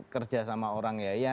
kerja sama orang ya